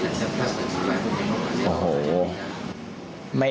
แล้วแสดงลายพวกนี้มาก